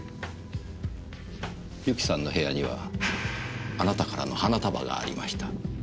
由紀さんの部屋にはあなたからの花束がありました。